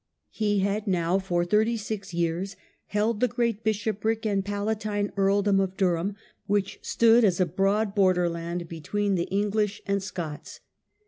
He had now for thirty six years held the great bishopric and palatine earldom of Durham, which stood as a broad borderland between the English and Scots.